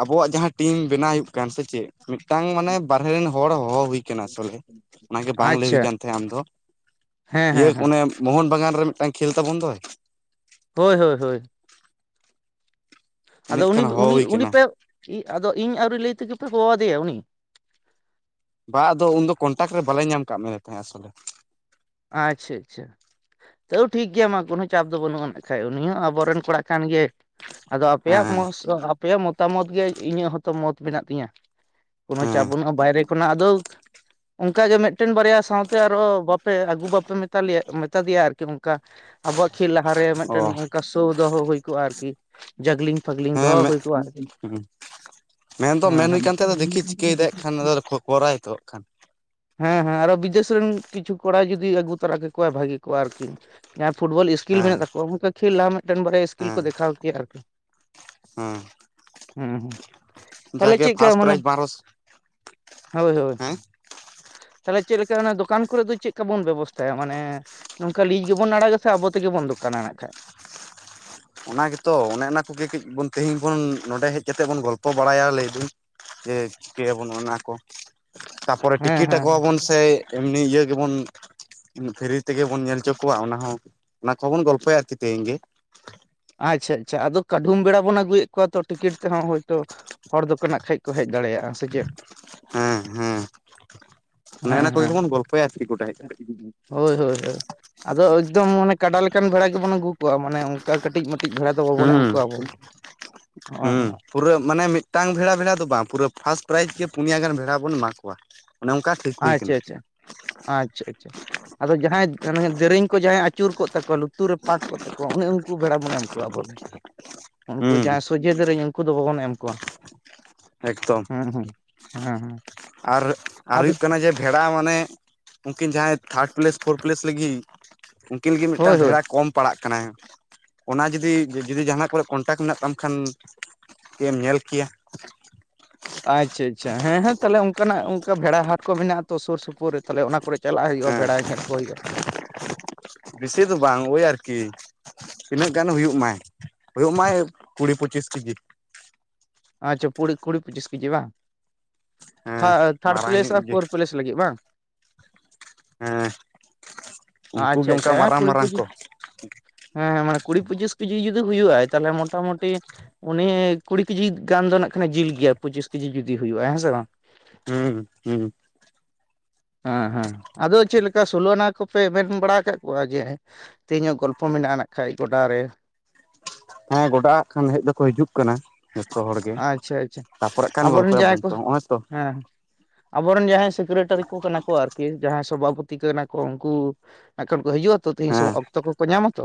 ᱟᱵᱚᱣᱟᱜ ᱡᱟᱦᱟᱸ ᱴᱤᱢ ᱵᱮᱱᱟᱣ ᱦᱩᱭᱩᱜ ᱠᱟᱱ ᱥᱮ ᱪᱮᱫ ᱢᱤᱫᱴᱟᱝ ᱢᱟᱱᱮ ᱵᱟᱨᱦᱮ ᱨᱮᱱ ᱦᱚᱲ ᱦᱚᱦᱚ ᱦᱩᱭᱠᱟᱱᱟ ᱟᱥᱚᱞᱮ᱾ ᱚᱱᱟᱜᱮ ᱵᱟᱝ ᱞᱟᱹᱭ ᱟᱪᱪᱷᱟ ᱦᱩᱭ ᱠᱟᱱ ᱛᱟᱦᱮᱸᱜ ᱟᱢ ᱫᱚ ᱦᱮᱸ ᱤᱭᱟᱹ ᱦᱮᱸ ᱦᱮᱸ ᱚᱱᱮ ᱢᱳᱦᱚᱱ ᱵᱟᱜᱟᱱ ᱨᱮ ᱢᱤᱫᱴᱟᱝ ᱠᱷᱮᱹᱞ ᱛᱟᱵᱚᱱ ᱫᱚᱭ᱾ ᱦᱳᱭ ᱦᱳᱭ ᱦᱳᱭ ᱟᱫᱚ ᱩᱱᱤᱭᱟᱜ ᱩᱱᱤ ᱠᱷᱟᱱ ᱦᱚᱦᱚ ᱩᱱᱤ ᱦᱩᱭ ᱩᱱᱤ ᱠᱟᱱᱟ ᱯᱮ ᱟᱫᱚ ᱤᱧ ᱟᱹᱣᱨᱤ ᱞᱟᱹᱭ ᱛᱮᱜᱮ ᱯᱮ ᱦᱚᱦᱚ ᱟᱫᱮᱭᱟ ᱩᱱᱤ᱾ ᱵᱟᱝ ᱟᱫᱚ ᱩᱱᱫᱚ ᱠᱚᱱᱴᱟᱠ ᱨᱮ ᱵᱟᱞᱮ ᱧᱟᱢ ᱠᱟᱜ ᱢᱮ ᱛᱟᱦᱮᱸᱫ ᱟᱥᱚᱞᱮ᱾ ᱟᱪᱪᱷᱟ ᱟᱪᱪᱷᱟ ᱛᱟᱹᱣ ᱴᱷᱤᱠ ᱜᱮᱭᱟ ᱢᱟ ᱠᱳᱱᱳ ᱪᱟᱯ ᱫᱚ ᱵᱟᱹᱱᱩᱜ ᱟᱱᱟ᱾ ᱠᱷᱟᱡ ᱩᱱᱤ ᱦᱚᱸ ᱟᱵᱚᱨᱮᱱ ᱠᱚᱲᱟ ᱠᱟᱱ ᱜᱮᱭᱟᱭ, ᱟᱫᱚ ᱟᱯᱮᱭᱟᱜ ᱦᱮᱸ [unintelligible] ᱟᱯᱮᱭᱟᱜ ᱢᱚᱛᱟᱢᱚᱛ ᱜᱮ ᱤᱧᱟᱹᱜ ᱦᱚᱸᱛᱚ ᱢᱚᱛ ᱢᱮᱱᱟᱜ ᱛᱤᱧᱟᱹ ᱠᱳᱱᱳ ᱪᱟᱯ ᱦᱮᱸ ᱵᱟᱹᱱᱩᱜ-ᱟ᱾ ᱵᱟᱭᱨᱮ ᱠᱷᱚᱱᱟᱜ ᱟᱫᱚ ᱚᱱᱠᱟ ᱜᱮ ᱢᱮᱫᱴᱮᱱ ᱵᱟᱨᱭᱟ ᱥᱟᱶᱛᱮ ᱟᱨᱚ ᱮ ᱟᱹᱜᱩ ᱵᱟᱯᱮ ᱢᱮᱛᱟ ᱞᱮᱭᱟ ᱢᱮᱛᱟ ᱫᱮᱭᱟ ᱟᱹᱨᱠᱤ ᱚᱱᱠᱟ ᱟᱵᱚᱣᱟᱜ ᱠᱷᱮᱹᱞ ᱞᱟᱦᱟᱨᱮ ᱚ ᱢᱤᱫᱴᱮᱱ ᱚᱝᱠᱟ ᱚ ᱫᱚᱦᱚ ᱦᱩᱭ ᱠᱚᱜᱼᱟ ᱟᱹᱨᱠᱤ, ᱡᱟᱜᱽᱞᱤᱝ ᱯᱷᱟᱜᱽᱞᱤᱝ ᱦᱮᱸ ᱫᱚᱦᱚ ᱦᱩᱭ ᱠᱚᱜᱼᱟ ᱟᱹᱨᱠᱤ ᱾ ᱢᱮᱱᱫᱚ ᱢᱮᱱ ᱦᱩᱭ ᱠᱟᱱ ᱛᱟᱦᱮᱸᱫᱼᱟ ᱫᱮᱠᱷᱤ ᱪᱤᱠᱟᱹᱭᱮᱫᱟᱭ ᱠᱷᱟᱱ ᱦᱟᱸᱜ ᱠᱷᱚᱵᱚᱨᱟᱭ ᱛᱚ ᱱᱟᱜ ᱠᱷᱟᱱ᱾ ᱦᱮᱸ ᱦᱮᱸ ᱟᱨᱚ ᱵᱤᱫᱮᱥ ᱨᱮᱱ ᱠᱤᱪᱷᱩ ᱠᱚᱲᱟᱭ ᱡᱩᱫᱤ ᱟᱹᱜᱩ ᱛᱚᱨᱟ ᱠᱮᱠᱚᱣᱟᱭ ᱵᱷᱟᱹᱜᱤ ᱠᱚᱜᱼᱟ ᱟᱹᱨᱠᱤ ᱾ ᱡᱟᱦᱟᱸᱭ ᱯᱷᱩᱴᱵᱚᱞ ᱤᱥᱠᱤᱞ ᱦᱮᱸ ᱢᱮᱱᱟᱜ ᱛᱟᱠᱚᱣᱟ, ᱩᱱᱠᱩ ᱠᱷᱮᱞ ᱞᱟᱦᱟ ᱢᱤᱫᱴᱮᱱ ᱵᱟᱨᱭᱟ ᱤᱥᱠᱤᱞ ᱠᱚ ᱦᱮᱸ ᱫᱮᱠᱷᱟᱣ ᱠᱮᱭᱟ ᱟᱹᱨᱠᱤ ᱾ ᱦᱮᱸ ᱦᱮᱸ ᱦᱮᱸ ᱛᱟᱦᱞᱮ ᱡᱟᱜᱮ ᱪᱮᱫᱠᱟ ᱯᱷᱟᱥᱴ ᱢᱟᱱᱮ ᱯᱨᱟᱭᱤᱡᱽ ᱵᱟᱨᱚᱥ ᱦᱳᱭ ᱦᱳᱭ ᱦᱮᱸ ᱛᱟᱦᱚᱞᱮ ᱪᱮᱫ ᱞᱮᱠᱟ ᱚᱱᱟ ᱫᱚᱠᱟᱱ ᱠᱚᱨᱮ ᱫᱚ ᱪᱮᱫ ᱞᱮᱠᱟ ᱵᱚᱱ ᱵᱮᱵᱚᱥᱛᱷᱟᱭᱟ ᱢᱟᱱᱮ ᱱᱚᱝᱠᱟ ᱞᱤᱡᱽ ᱜᱮᱵᱚᱱ ᱟᱲᱟᱜᱟ ᱥᱮ ᱟᱵᱚ ᱛᱮᱜᱮ ᱵᱚᱱ ᱫᱚᱠᱟᱱᱟ ᱱᱟᱜ ᱠᱷᱟᱡ᱾ ᱚᱱᱟ ᱜᱮᱛᱚ ᱚᱱᱮ ᱚᱱᱟ ᱠᱚᱜᱮ ᱠᱟᱹᱡ ᱵᱚᱱ ᱛᱮᱦᱤᱧ ᱵᱚᱱ ᱱᱚᱰᱮ ᱦᱮᱡ ᱠᱟᱛᱮᱫ ᱵᱚᱱ ᱜᱚᱞᱯᱚ ᱵᱟᱲᱟᱭᱟ ᱞᱟᱹᱭ ᱫᱟᱹᱧ᱾ ᱡᱮ ᱪᱤᱠᱟᱹᱭᱟᱵᱚᱱ ᱚᱱᱟ ᱠᱚ, ᱛᱟᱯᱚᱨᱮ ᱦᱮᱸ ᱴᱤᱠᱤᱴ ᱟᱠᱚᱣᱟ ᱦᱮᱸ ᱵᱚᱱ ᱥᱮ ᱮᱢᱱᱤ ᱤᱭᱟᱹ ᱜᱮᱵᱚᱱ ᱯᱷᱨᱤ ᱛᱮᱜᱮ ᱵᱚᱱ ᱧᱮᱞ ᱦᱚᱪᱚ ᱠᱚᱣᱟ ᱚᱱᱟ ᱦᱚᱸ ᱚᱱᱟ ᱠᱚᱦᱚᱸ ᱵᱚᱱ ᱜᱚᱞᱯᱚᱭᱟ ᱟᱹᱨᱠᱤ ᱛᱮᱦᱤᱧ ᱜᱮ᱾ ᱟᱪᱪᱷᱟ ᱟᱪᱪᱷᱟ ᱟᱫᱚ ᱠᱟᱹᱰᱷᱩᱢ ᱵᱷᱮᱲᱟ ᱵᱚᱱ ᱟᱹᱜᱩᱭᱮᱫ ᱠᱚᱣᱟ ᱛᱚ ᱴᱤᱠᱤᱴ ᱛᱮᱦᱚᱸ ᱦᱳᱭ ᱛᱚ ᱦᱚᱲ ᱫᱚᱠᱚ ᱱᱟᱜ ᱠᱷᱟᱡ ᱠᱚ ᱦᱮᱡ ᱫᱟᱲᱮᱭᱟᱜᱼᱟ ᱥᱮ ᱪᱮᱫ᱾ ᱦᱮᱸ ᱦᱮᱸ ᱚᱱᱮ ᱦᱮᱸ ᱚᱱᱟ ᱠᱚᱜᱮ ᱦᱮᱸ ᱵᱚᱱ ᱜᱚᱞᱯᱚᱭᱟ ᱟᱨᱠᱤ ᱜᱚᱴᱟ ᱦᱮᱡ ᱠᱟᱛᱮ ᱦᱳᱭ ᱦᱳᱭ ᱦᱳᱭ ᱟᱫᱚ ᱮᱠᱫᱚᱢ ᱢᱟᱱᱮ ᱠᱟᱰᱟ ᱞᱮᱠᱟᱱ ᱵᱮᱷᱟᱲᱟ ᱜᱮᱵᱚᱱ ᱟᱹᱜᱩ ᱠᱚᱣᱟ ᱢᱟᱱᱮ ᱠᱟᱹᱴᱤᱡ ᱢᱟᱴᱤᱡ ᱵᱷᱮᱲᱟ ᱫᱚ ᱵᱟᱵᱚᱱ ᱮᱢ ᱦᱩᱸ ᱠᱚᱣᱟ ᱟᱵᱚ᱾ ᱦᱩᱸ᱾ ᱯᱩᱨᱟᱹ ᱢᱟᱱᱮ ᱢᱤᱜᱴᱟᱝ ᱵᱷᱮᱲᱟ ᱵᱷᱮᱲᱟ ᱫᱚ ᱵᱟᱝ ᱯᱩᱨᱟᱹ ᱯᱷᱟᱥ ᱯᱨᱟᱭᱤᱡ ᱜᱮ ᱯᱩᱱᱭᱟ ᱜᱟᱱ ᱵᱷᱮᱲᱟ ᱵᱚᱱ ᱮᱢᱟ ᱠᱚᱣᱟ᱾ ᱢᱟᱱᱮ ᱚᱱᱠᱟ ᱴᱷᱤᱠ ᱦᱩᱭ ᱟᱪᱪᱷᱟ ᱠᱟᱱᱟ ᱟᱪᱪᱷᱟ ᱟᱪᱪᱷᱟ ᱟᱪᱪᱷᱟ᱾ ᱟᱫᱚ ᱡᱟᱦᱟᱸᱭ ᱟᱹᱱᱟᱹᱝᱮ ᱫᱮᱨᱮᱧ ᱠᱚ ᱡᱟᱦᱟᱸᱭ ᱟᱜ ᱟᱹᱪᱩᱨ ᱠᱚᱜ ᱛᱟᱠᱚᱣᱟ ᱞᱩᱛᱩᱨ ᱨᱮ ᱯᱟᱨᱠ ᱠᱚᱜ ᱛᱟᱠᱚᱣᱟ ᱩᱱᱤ ᱩᱱᱠᱩ ᱵᱷᱮᱲᱟ ᱢᱟᱱᱮ ᱵᱚᱣᱟ ᱠᱚᱣᱟ [unintelligible] ᱩᱱᱠᱩ ᱡᱟᱦᱟᱸᱭ ᱥᱚᱡᱷᱮ ᱫᱮᱨᱮᱧ ᱩᱱᱠᱩ ᱫᱚ ᱵᱟᱵᱚᱱ ᱮᱢ ᱠᱚᱣᱟ᱾ ᱮᱠᱫᱚᱢ᱾ ᱦᱩᱸ ᱦᱩᱸ, ᱦᱩᱸ ᱦᱩᱸ᱾ ᱟᱨ ᱟᱨ ᱦᱩᱭᱩᱜ ᱠᱟᱱᱟ ᱡᱮ ᱵᱷᱮᱲᱟ ᱢᱟᱱᱮ, ᱩᱱᱠᱤᱱ ᱡᱟᱦᱟᱸᱭ ᱛᱷᱟᱲ ᱯᱞᱮᱥ ᱯᱷᱳᱨ ᱯᱞᱮᱥ ᱞᱟᱹᱜᱤᱜ ᱩᱱᱠᱤᱱ ᱜᱤ ᱦᱳᱭ ᱢᱤᱜᱴᱟᱝ ᱦᱳᱭ ᱵᱷᱮᱲᱟ ᱠᱚᱢ ᱯᱟᱲᱟᱜ ᱠᱟᱱᱟᱭ᱾ ᱚᱱᱟ ᱡᱩᱫᱤ ᱡᱩᱫᱤ ᱡᱟᱦᱟᱱᱟᱜ ᱠᱚᱨᱮ ᱠᱚᱱᱴᱟᱠ ᱢᱮᱱᱟᱜ ᱛᱟᱢ ᱠᱷᱟᱱ ᱠᱟᱹᱡ ᱮᱢ ᱧᱮᱞ ᱠᱮᱭᱟ᱾ ᱟᱪᱪᱷᱟ ᱟᱪᱪᱷᱟ ᱦᱮᱸ ᱦᱮᱸ ᱛᱟᱞᱦᱮ ᱚᱱᱠᱟᱱᱟᱜ ᱚᱱᱠᱟ ᱵᱷᱮᱲᱟ ᱦᱟᱴ ᱠᱚ ᱢᱮᱱᱟᱜ-ᱟ ᱛᱚ ᱥᱳᱨ ᱥᱩᱯᱩᱨ ᱨᱮ᱾ ᱛᱟᱦᱞᱮ ᱚᱱᱟ ᱠᱚᱨᱮ ᱪᱟᱞᱟᱜ ᱦᱩᱭᱩᱜ-ᱟ ᱵᱷᱮᱲᱟᱭ ᱧᱮᱧ ᱠᱚ ᱦᱩᱭᱩᱜ-ᱟ᱾ ᱵᱤᱥᱤ ᱫᱚ ᱵᱟᱝ ᱳᱭ ᱟᱨᱠᱤ᱾ ᱛᱤᱱᱟᱹᱜ ᱜᱟᱱ ᱦᱩᱭᱩᱜ ᱢᱟᱭ ᱦᱳᱭᱳᱜ ᱢᱟᱭ ᱠᱩᱲᱤ ᱯᱚᱸᱪᱤᱥ ᱠᱤᱡᱤ᱾ ᱟᱪᱪᱷᱟ ᱯᱩᱲᱤ ᱠᱩᱲᱤ ᱯᱚᱸᱪᱤᱥ ᱠᱤᱡᱤ ᱵᱟ᱾ ᱛᱷᱟ ᱦᱮᱸ ᱛᱷᱟᱲ ᱢᱟᱨᱟᱝ ᱯᱞᱮᱥ ᱧᱚᱜ ᱟᱨ ᱜᱮ ᱯᱳᱨ ᱯᱞᱮᱥ ᱞᱟᱹᱜᱤᱜ ᱵᱟᱝ? ᱦᱮᱸ ᱟ ᱩᱱᱠᱩ ᱜᱮ ᱟᱪᱪᱷᱟ ᱚᱱᱠᱟ ᱟᱪᱪᱷᱟ ᱦᱮᱸ ᱢᱟᱨᱟᱝ ᱠᱩᱲᱤ ᱢᱟᱨᱟᱝ ᱯᱩᱸᱪᱤᱥ ᱠᱚ ᱦᱮᱸ ᱦᱮᱸ ᱢᱟᱱᱮ ᱠᱩᱲᱤ ᱯᱩᱪᱤᱥ ᱠᱤᱡᱤ ᱡᱩᱫᱤ ᱦᱩᱭᱩᱜ-ᱟᱭ ᱛᱟᱞᱦᱮ ᱢᱚᱴᱟᱢᱩᱴᱤ ᱩᱱᱤ ᱠᱩᱲᱤ ᱠᱤᱡᱤ ᱜᱟᱱ ᱫᱚ ᱱᱟᱜ ᱠᱷᱟᱱᱮ ᱡᱤᱞ ᱜᱮᱭᱟ ᱯᱩᱪᱤᱥ ᱠᱤᱡᱤ ᱡᱩᱫᱤ ᱦᱩᱭᱩᱜ-ᱟᱭ ᱦᱮᱸ ᱥᱮ ᱵᱟᱝ? ᱦᱩᱸ ᱦᱩᱸ᱾ ᱦᱮᱸ ᱦᱮᱸ ᱟᱫᱚ ᱪᱮᱜ ᱞᱮᱠᱟ ᱥᱳᱞᱳ ᱟᱱᱟ ᱠᱚᱯᱮ ᱢᱮᱱ ᱵᱟᱲᱟ ᱟᱠᱟᱜ ᱠᱚᱣᱟ ᱡᱮ ᱛᱮᱦᱮᱧᱚᱜ ᱜᱚᱞᱯᱷᱚ ᱢᱮᱱᱟᱜᱼᱟ ᱱᱟᱜ ᱠᱷᱟᱡ ᱜᱚᱰᱟ ᱨᱮ᱾ ᱦᱮᱸ ᱜᱚᱰᱟ ᱠᱷᱟᱱ ᱦᱮᱡ ᱫᱚᱠᱚ ᱦᱤᱡᱩᱜ ᱠᱟᱱᱟ᱾ ᱡᱚᱛᱚ ᱦᱚᱲ ᱜᱮ᱾ ᱟᱪᱪᱷᱟ ᱟᱪᱪᱷᱟ ᱛᱟᱯᱚᱨᱮ ᱠᱷᱟᱱ ᱟᱵᱚᱨᱮᱱ ᱡᱟᱦᱟᱸᱭ ᱜᱚᱞᱯᱚᱭᱟᱵᱚᱱ ᱠᱚ᱾ ᱛᱚ ᱱᱚᱜᱼᱚᱭ ᱛᱚ ᱦᱮᱸ ᱟᱵᱚᱨᱮᱱ ᱡᱟᱦᱟᱸᱭ ᱥᱤᱠᱨᱮᱴᱟᱨᱤ ᱠᱚ ᱠᱟᱱᱟ ᱠᱚ ᱟᱨᱠᱤ ᱡᱟᱦᱟᱸᱭ ᱵᱟᱵᱩ ᱛᱤᱠᱟᱹ ᱱᱟᱠᱚ ᱩᱱᱠᱩ ᱮᱠᱷᱟᱱ ᱠᱚ ᱦᱤᱡᱩᱜ-ᱟ ᱛᱚ ᱛᱤᱦᱧ ᱦᱮᱸ ᱥᱚᱢᱚ ᱚᱠᱛᱚ ᱠᱚᱠᱚ ᱧᱟᱢᱟ ᱛᱚ?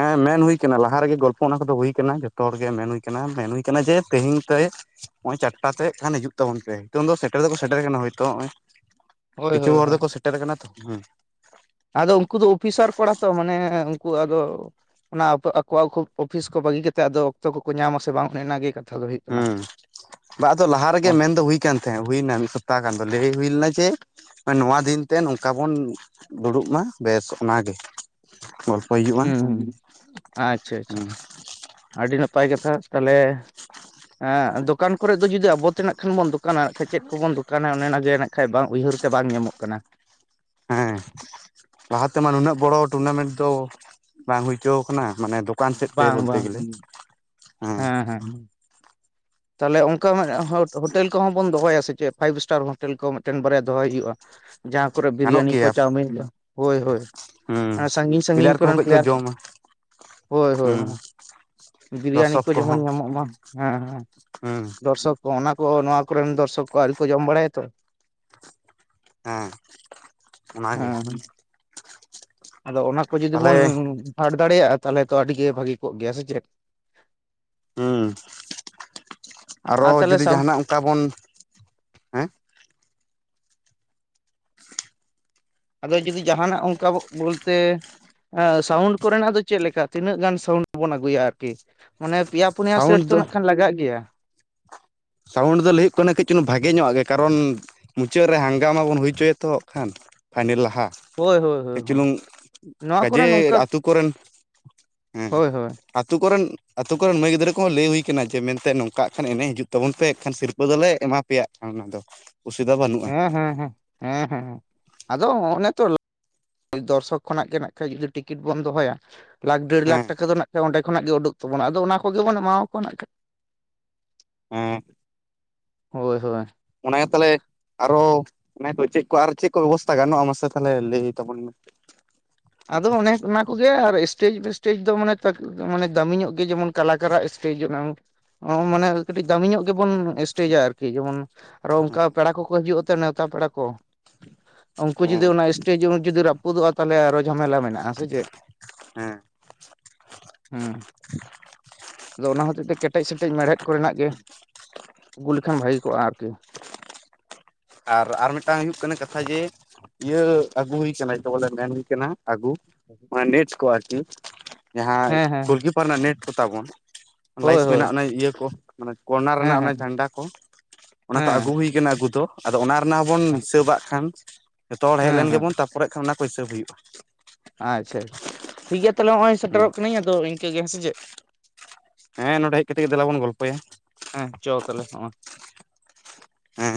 ᱦᱮᱸ ᱢᱮᱱ ᱦᱩᱭ ᱠᱟᱱᱟ ᱞᱟᱦᱟ ᱨᱮᱜᱮ ᱜᱚᱞᱯᱚ ᱚᱱᱟ ᱠᱚᱫᱚ ᱦᱩᱭ ᱠᱟᱱᱟ ᱡᱚᱛᱚ ᱦᱚᱲᱜᱮ ᱢᱮᱱ ᱦᱩᱭ ᱠᱟᱱᱟ᱾ ᱢᱮᱱ ᱦᱩᱭ ᱠᱟᱱᱟ ᱡᱮ ᱛᱮᱦᱮᱧ ᱠᱟᱹᱭᱮ ᱚᱭ ᱪᱟᱴᱴᱟ ᱥᱮᱜ ᱠᱷᱟᱱ ᱦᱤᱡᱩᱜ ᱛᱟᱵᱚᱱ ᱯᱮ᱾ ᱛᱟᱹᱱ ᱫᱚ ᱥᱮᱴᱮᱨ ᱫᱚᱠᱚ ᱥᱮᱴᱮᱨ ᱠᱟᱱᱟ ᱦᱳᱭᱛᱳ ᱦᱚᱜᱚᱭ ᱦᱳᱭ ᱠᱤᱪᱷᱩ ᱦᱳᱭ ᱦᱚᱲ ᱦᱳᱭ ᱫᱚᱠᱚ ᱥᱮᱴᱮᱨ ᱟᱠᱟᱱᱟ [inaudible] ᱟᱫᱚ ᱩᱱᱠᱩ ᱫᱚ ᱚᱯᱷᱤᱥᱟᱨ ᱠᱚᱲᱟ ᱛᱚ ᱢᱟᱱᱮ ᱩᱱᱠᱩ ᱟᱫᱚ ᱚᱱᱟ ᱟᱯᱚ ᱟᱠᱚ ᱟᱠᱩ ᱚᱯᱷᱤᱥ ᱠᱚ ᱵᱟᱹᱜᱤ ᱠᱟᱛᱮᱜ ᱟᱫᱚ ᱚᱠᱛᱚ ᱠᱚᱠᱚ ᱧᱟᱢᱟ ᱥᱮ ᱵᱟᱝ ᱚᱱᱮ ᱚᱱᱟ ᱜᱮ ᱠᱟ ᱦᱩᱸ ᱵᱟ ᱟᱫᱚ ᱞᱟᱦᱟ ᱨᱮᱜᱮ ᱢᱮᱱᱫᱚ ᱦᱩᱭ ᱠᱟᱱ ᱛᱟᱦᱮᱸ ᱦᱩᱭᱱᱟ ᱢᱤᱜ ᱥᱚᱯᱛᱟ ᱜᱟᱱ ᱫᱚ ᱞᱟᱹᱭ ᱦᱩᱭ ᱞᱮᱱᱟ ᱡᱮ ᱱᱚᱣᱟ ᱫᱤᱱᱛᱮ ᱱᱚᱝᱠᱟ ᱵᱚᱱ ᱫᱩᱲᱩᱵ ᱢᱟ ᱵᱮᱥ ᱚᱱᱟ ᱜᱮ᱾ ᱜᱚᱞᱯᱷᱚᱭ ᱦᱩᱭᱩᱜ ᱢᱟ ᱦᱩᱸ ᱦᱩᱸ ᱟᱪᱪᱷᱟ ᱟᱪᱪᱷᱟ ᱦᱩᱸ᱾ ᱟᱹᱰᱤ ᱱᱟᱯᱟᱭ ᱠᱟᱛᱷᱟ ᱛᱟᱞᱮ, ᱮᱜ ᱫᱚᱠᱟᱱ ᱠᱚᱨᱮᱜ ᱫᱚ ᱡᱩᱫᱤ ᱟᱵᱚ ᱛᱮᱱᱟᱜ ᱠᱷᱟᱱ ᱵᱚᱱ ᱫᱚ ᱠᱟᱱᱟ ᱠᱷᱟᱡ ᱪᱮᱫ ᱠᱚᱵᱚᱱ ᱫᱚᱠᱟᱱᱟ ᱚᱱᱮ ᱚᱱᱟᱜᱮ ᱱᱟᱜ ᱠᱷᱟᱡ ᱵᱟᱝ ᱩᱭᱦᱟᱹᱨᱛᱮ ᱵᱟᱝ ᱧᱟᱢᱚᱜ ᱠᱟᱱᱟ᱾ ᱦᱮᱸ ᱞᱟᱦᱟ ᱛᱮᱢᱟ ᱱᱩᱱᱟᱹᱜ ᱵᱚᱲᱚ ᱴᱩᱨᱱᱟᱢᱮᱱᱴ ᱫᱚ ᱵᱟᱝ ᱦᱩᱭ ᱪᱳᱣ ᱠᱟᱱᱟ ᱢᱟᱱᱮ ᱫᱚ ᱫᱚᱠᱟᱱ ᱥᱮᱫ ᱛᱮ ᱵᱟᱝ ᱵᱚᱞᱛᱮ ᱵᱟᱝ ᱜᱮᱞᱮ᱾ ᱦᱮᱸ ᱦᱮᱸ᱾ ᱛᱟᱞᱦᱮ ᱚᱱᱠᱟ ᱢᱟᱜ ᱦᱳᱴ ᱦᱳᱴᱮᱞ ᱠᱚᱦᱚᱸ ᱵᱚᱱ ᱫᱚᱦᱚᱭᱟ ᱥᱮ ᱪᱮᱫ? ᱯᱷᱟᱭᱤᱵᱷ ᱤᱥᱴᱟᱨ ᱦᱳᱴᱮᱞ ᱠᱚ ᱢᱤᱜᱴᱮᱱ ᱵᱟᱨᱭᱟ ᱫᱚᱦᱚᱭ ᱦᱩᱭᱩᱜᱼᱟ᱾ ᱡᱟᱦᱟᱸ ᱠᱚᱨᱮ ᱜᱟᱱᱚᱜ ᱵᱤᱨᱤᱭᱟᱱᱤ ᱠᱚ ᱜᱮᱭᱟ ᱪᱟᱣᱢᱤᱱ ᱦᱳᱭ ᱦᱳᱭ᱾ ᱦᱩᱸ ᱮᱸ ᱥᱟᱺᱜᱤᱧ ᱥᱟᱺᱜᱤᱧ ᱯᱞᱮᱭᱟᱨ ᱠᱚᱦᱚᱸ ᱠᱚᱨᱮᱱ ᱠᱟᱹᱡ ᱠᱚ ᱯᱞᱮᱭᱟᱨ ᱡᱚᱢᱟ ᱦᱳᱭ ᱦᱳᱭ ᱦᱩᱸ ᱦᱳ᱾ ᱵᱤᱨᱭᱟᱱᱤ ᱫᱚᱨᱥᱚᱠ ᱠᱚ ᱡᱮᱢᱚᱱ ᱠᱚᱦᱚᱸ ᱧᱟᱢᱚᱜ ᱢᱟ ᱦᱮᱸ ᱦᱮᱸ᱾ ᱦᱩᱸ᱾ ᱫᱚᱨᱥᱚᱠ ᱠᱚ ᱚᱱᱟ ᱠᱚ ᱱᱚᱣᱟ ᱠᱚᱨᱮᱱ ᱫᱚᱨᱥᱚᱠ ᱠᱚ ᱟᱹᱣᱨᱤ ᱠᱚ ᱡᱚᱢ ᱵᱟᱲᱟᱭᱟ ᱛᱚ᱾ ᱦᱮᱸ ᱦᱮᱸ ᱚᱱᱟᱜᱮ᱾ ᱦᱮᱸ ᱟᱫᱚ ᱚᱱᱟ ᱠᱚ ᱡᱩᱫᱤ ᱛᱟᱦᱚᱞᱮ ᱵᱚᱱ ᱯᱷᱟᱰ ᱫᱟᱲᱮᱭᱟᱜᱼᱟ ᱛᱟᱞᱦᱮ ᱛᱚ ᱟᱹᱰᱤᱜᱮ ᱵᱷᱟᱹᱜᱤ ᱠᱚᱜ ᱜᱮᱭᱟ, ᱥᱮ ᱪᱮᱫ? ᱦᱩᱸ᱾ ᱟᱨᱚ ᱟᱨ ᱛᱟᱦᱚᱞᱮ ᱡᱩᱫᱤ ᱥᱟᱶ ᱡᱟᱦᱟᱱᱟᱜ ᱚᱱᱠᱟ ᱵᱚᱱ ᱦᱮᱸ ᱟᱫᱚ ᱡᱩᱫᱤ ᱡᱟᱦᱟᱱᱟᱜ ᱚᱱᱠᱟ ᱵᱚᱞᱛᱮ ᱦᱮᱸ ᱥᱟᱣᱩᱱᱰ ᱠᱚᱨᱮᱱᱟᱜ ᱫᱚ ᱪᱮᱜ ᱞᱮᱠᱟ, ᱛᱤᱱᱟᱹᱜ ᱜᱟᱱ ᱥᱟᱣᱩᱱᱰ ᱵᱚᱱ ᱟᱹᱜᱩᱭᱟ ᱟᱨ ᱠᱤ᱾ ᱢᱟᱱᱮ ᱯᱮᱭᱟ ᱯᱩᱱᱭᱟ ᱥᱮᱴ ᱥᱟᱣᱩᱱᱰ ᱛᱚ ᱫᱚ ᱱᱟᱜ ᱠᱷᱟᱱ ᱞᱟᱜᱟᱜ ᱜᱮᱭᱟ᱾ ᱥᱟᱣᱩᱱᱰ ᱫᱚ ᱞᱟᱹᱭ ᱦᱩᱭᱩᱜ ᱠᱟᱱᱟ ᱠᱟᱹᱡ ᱪᱩᱞᱩᱝ ᱵᱷᱟᱜᱮ ᱧᱚᱣᱟᱜ ᱜᱮ ᱠᱟᱨᱚᱱ ᱢᱩᱪᱟᱹᱫ ᱨᱮ ᱦᱟᱝᱜᱟᱢᱟ ᱵᱚᱱ ᱦᱩᱭ ᱪᱚᱭᱟᱛᱚ ᱦᱟᱸᱜ ᱠᱷᱟᱱ ᱾ ᱯᱷᱟᱭᱱᱮᱞ ᱞᱟᱦᱟ᱾ ᱦᱳᱭ ᱦᱳᱭ ᱠᱟᱹᱡ ᱦᱳᱭ ᱦᱳᱭ ᱪᱩᱞᱩᱝ ᱱᱚᱣᱟ ᱠᱚᱨᱮ ᱠᱟᱡᱮ ᱱᱚᱝᱠᱟ ᱟᱛᱳ ᱠᱚᱨᱮᱱ ᱦᱩᱸ᱾ ᱦᱳᱭ ᱦᱳᱭ ᱟᱹᱛᱩ ᱠᱚᱨᱮᱱ ᱟᱹᱛᱩ ᱠᱚᱨᱮᱱ ᱢᱟᱹᱭ ᱜᱤᱫᱽᱨᱟᱹ ᱠᱚᱦᱚᱸ ᱞᱟᱹᱭ ᱦᱩᱭ ᱠᱟᱱᱟ ᱡᱮ ᱢᱮᱱᱛᱮ ᱱᱚᱝᱠᱟᱜ ᱦᱟᱜ ᱠᱷᱟᱱ ᱮᱱᱮᱡ ᱦᱩᱭᱩᱜ᱾ ᱛᱟᱵᱚᱱ ᱯᱮ ᱮᱠᱷᱟᱱ ᱥᱤᱨᱯᱟᱹ ᱫᱚᱞᱮ ᱮᱢᱟ ᱯᱮᱭᱟ ᱦᱟᱜ ᱠᱷᱟᱱ ᱩᱱ ᱫᱚ᱾᱾ ᱚᱥᱩᱵᱤᱫᱷᱟ ᱵᱟᱹᱱᱩᱜ᱾ ᱦᱮᱸ ᱦᱮᱸ ᱦᱸᱮ, ᱦᱮᱸ ᱦᱮᱸ ᱟᱫᱚ ᱚᱱᱮ ᱛᱚ ᱫᱚᱨᱥᱚᱠ ᱠᱷᱚᱱᱟᱜ ᱜᱮ ᱦᱮᱱᱟᱜ ᱠᱷᱟᱡ ᱡᱩᱫᱤ ᱴᱤᱠᱤᱴ ᱵᱚᱱ ᱫᱚᱦᱚᱭᱟ ᱞᱟᱠᱷ ᱰᱮᱲ ᱞᱟᱠᱷ ᱦᱮᱸ ᱴᱟᱠᱟ ᱫᱚ ᱱᱟᱜ ᱠᱷᱟᱡ ᱚᱸᱰᱮ ᱠᱷᱚᱱᱟᱜ ᱜᱮ ᱩᱰᱩᱠ ᱛᱟᱵᱚᱱᱟ ᱟᱫᱚ ᱚᱱᱟ ᱠᱚᱜᱮ ᱵᱚᱱ ᱮᱢᱟᱣ ᱟᱠᱚᱣᱟᱣᱟ ᱱᱟᱜ᱾ ᱦᱮᱸ ᱦᱳᱭ ᱥᱮ ᱵᱟᱝ? ᱚᱱᱮᱜᱮ ᱛᱟᱞᱦᱮ ᱟᱨᱚ ᱚᱱᱮ ᱠᱚ ᱪᱮᱫ ᱠᱚ ᱟᱨ ᱪᱮᱫ ᱠᱚ ᱵᱮᱵᱚᱥᱛᱷᱟ ᱜᱟᱱᱚᱜᱼᱟ ᱢᱟᱥᱮ ᱛᱟᱦᱞᱮ ᱞᱟᱹᱭ ᱛᱟᱵᱚᱱ ᱢᱮ᱾ ᱟᱫᱚ ᱚᱱᱮ ᱚᱱᱟ ᱠᱚᱜᱮ ᱟᱨ ᱥᱴᱮᱮᱡ-ᱯᱷᱮᱥᱴᱮᱡ ᱫᱚ ᱢᱟᱱᱮ ᱛᱚᱠ ᱢᱟᱱᱮ ᱫᱟᱢᱤ ᱧᱚᱜ ᱜᱮ ᱡᱮᱢᱚᱱ ᱠᱟᱞᱟᱠᱟᱨᱟᱜ ᱥᱴᱮᱡᱟᱱᱮ ᱚᱝ‌ ᱚ ᱢᱟᱱᱮ ᱠᱟᱹᱴᱤᱡ ᱫᱟᱢᱤ ᱧᱚᱜ ᱜᱮᱵᱚᱱ ᱥᱴᱮᱡᱟ ᱟᱨᱠᱤ, ᱡᱮᱢᱚᱱ ᱟᱨᱚ ᱦᱮᱸ ᱚᱱᱠᱟ ᱯᱮᱲᱟ ᱠᱚᱠᱚ ᱦᱤᱡᱩᱜᱼᱟᱛᱚ ᱱᱮᱣᱛᱟ ᱯᱮᱲᱟ ᱠᱚ᱾ ᱩᱱᱠᱩ ᱦᱮᱸ ᱡᱩᱫᱤ ᱚᱱᱟ ᱥᱴᱮᱡ ᱡᱮᱢᱚᱱ ᱡᱩᱫᱤ ᱨᱟᱹᱯᱩᱫᱚᱜᱼᱟ ᱛᱟᱦᱞᱮ ᱟᱨᱚ ᱡᱷᱟᱢᱮᱞᱟ ᱢᱮᱱᱟᱜᱼᱟ ᱥᱮ ᱪᱮᱫ? ᱦᱮᱸ ᱦᱮᱸ, ᱟᱫᱚ ᱚᱱᱟ ᱦᱚᱛᱮᱡ ᱛᱮ ᱠᱮᱴᱮᱡ ᱥᱮᱴᱮᱡ ᱢᱮᱲᱦᱮᱫ ᱠᱚᱨᱮᱱᱟᱜ ᱜᱮ ᱟᱹᱜᱩ ᱞᱮᱠᱷᱟᱱ ᱵᱷᱟᱹᱜᱤ ᱠᱚᱜᱼᱟ ᱟᱨᱠᱤ᱾ ᱟᱨ ᱟᱨ ᱢᱤᱫᱴᱟᱝ ᱦᱩᱭᱩᱜ ᱠᱟᱱᱟ ᱠᱟᱛᱷᱟ ᱡᱮ ᱤᱭᱟᱹ ᱟᱹᱜᱩ ᱦᱩᱭ ᱠᱟᱱᱟ ᱡᱟ ᱵᱚᱞᱮ ᱢᱮᱱ ᱟᱦᱩ ᱠᱟᱱᱟ ᱟᱹᱜᱩ ᱢᱟᱱᱮ ᱱᱮᱴ ᱠᱚ ᱟᱨᱠᱤ᱾ ᱡᱟᱦᱟᱸ ᱦᱮᱸ ᱦᱮᱸ ᱜᱳᱞᱠᱤᱯᱟᱨ ᱨᱮᱱᱟᱜ ᱱᱮᱴ ᱠᱚᱛᱟᱵᱚᱱ, ᱦᱳᱭ ᱞᱟᱭᱤᱥ ᱦᱳᱭ ᱢᱮᱱᱟᱜ ᱚᱱᱟ ᱤᱭᱟᱹ ᱠᱚ᱾ ᱢᱟᱱᱮ ᱠᱚᱨᱱᱟᱨ ᱦᱮᱸ ᱨᱮᱱᱟᱜ ᱚᱱᱮ ᱦᱮᱸ ᱡᱷᱟᱱᱰᱟ ᱠᱚ᱾ ᱚᱱᱟ ᱠᱚ ᱦᱮᱸ ᱟᱹᱜᱩ ᱦᱩᱭ ᱠᱟᱱᱟ ᱟᱹᱜᱩ ᱫᱚ᱾ ᱟᱫᱚ ᱚᱱᱟ ᱨᱮᱱᱟᱜ ᱦᱚᱵᱚᱱ ᱦᱤᱥᱟᱹᱵᱟᱜ ᱠᱷᱟᱱ᱾ ᱡᱚᱛᱚ ᱦᱚᱲ ᱦᱮᱡ ᱦᱮᱸ ᱞᱮᱱ ᱦᱮᱸ ᱜᱮᱵᱚᱱ ᱛᱟᱨᱯᱚᱨᱮᱜ ᱠᱷᱟᱱ ᱚᱱᱟ ᱠᱚ ᱦᱤᱥᱟᱹᱵ ᱦᱩᱭᱩᱜᱼᱟ᱾ ᱟᱪᱪᱷᱟ, ᱴᱷᱤᱠ ᱜᱮᱭᱟ ᱛᱟᱦᱞᱮ ᱦᱚᱜᱼᱚᱭ ᱥᱮᱴᱮᱨᱚᱜ ᱠᱟᱹᱱᱟᱹᱧ ᱟᱫᱚ ᱤᱱᱠᱟᱹᱜᱮ, ᱦᱮᱸᱥᱮ ᱪᱮᱫ? ᱦᱮᱸ ᱱᱚᱸᱰᱮ ᱦᱮᱡ ᱠᱟᱛᱮᱜ ᱜᱮ ᱫᱮᱞᱟ ᱵᱚᱱ ᱜᱚᱞᱯᱚᱭᱟ᱾ ᱦᱮᱸ ᱪᱚ ᱛᱟᱦᱚᱞᱮ ᱦᱚᱸᱜᱼᱚᱭ᱾ ᱦᱮᱸ